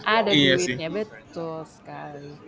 ada duitnya betul sekali